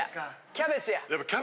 キャベツや！